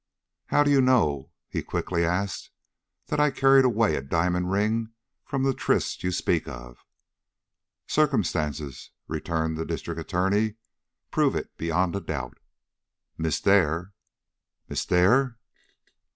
"How do you know," he quickly asked, "that I carried away a diamond ring from the tryst you speak of?" "Circumstances," returned the District Attorney, "prove it beyond a doubt. Miss Dare " "Miss Dare!"